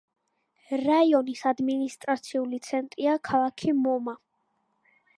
რაიონის ადმინისტრაციული ცენტრია ქალაქი მომა.